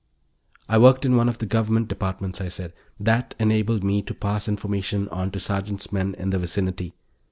"I worked in one of the Government departments," I said. "That enabled me to pass information on to Sergeant's men in the vicinity.